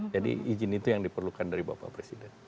jadi izin itu yang diperlukan dari bapak presiden